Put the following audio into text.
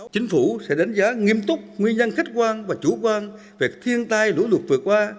chính phủ sẽ đánh giá nghiêm túc nguyên nhân khách quan và chủ quan về thiên tai lũ lụt vừa qua